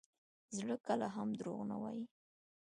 زړه کله هم دروغ نه وایي.